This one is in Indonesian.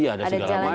ada segala macam gitu